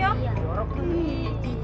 ya allah pun